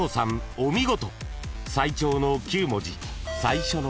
お見事。